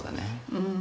うん。